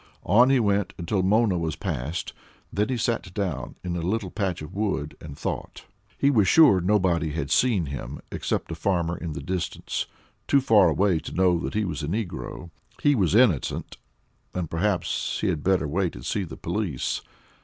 On he went until Mona was passed; then he sat down in a little patch of wood and thought. He was sure nobody had seen him except a farmer in the distance, too far away to know he was a negro. He was innocent, and perhaps he had better wait and see the police.